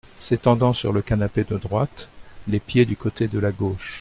S’étendant sur le canapé de droite, les pieds du côté de la gauche.